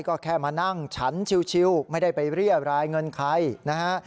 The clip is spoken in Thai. ก็แค่มานั่งฉันชิวไม่ได้ไปเรียบรายเงินใครนะฮะ